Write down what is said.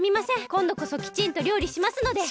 こんどこそきちんとりょうりしますので。